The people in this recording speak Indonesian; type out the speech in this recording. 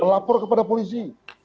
melapor kepada polisi